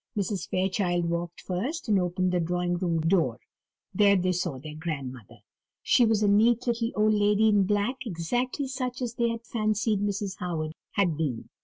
Mrs. Fairchild walked first, and opened the drawing room door; there they saw their grandmother. She was a neat little old lady in black, exactly such as they fancied Mrs. Howard had been.